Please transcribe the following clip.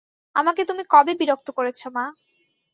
আমাকে তুমি কবে বিরক্ত করেছ মা?